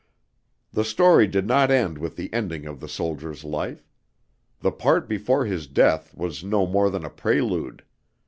The story did not end with the ending of the soldier's life. The part before his death was no more than a prelude.